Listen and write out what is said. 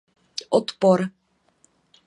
Odpor.